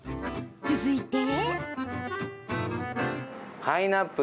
続いて。